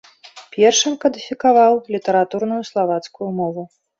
Першым кадыфікаваў літаратурную славацкую мову.